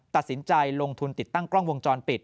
ตัดสินใจลงทุนติดตั้งกล้องวงจรปิด